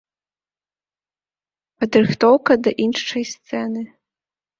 Падрыхтоўка да іншай сцэны.